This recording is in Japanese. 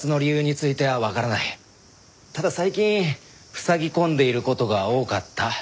ただ最近ふさぎ込んでいる事が多かった。